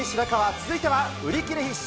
続いては、売り切れ必至！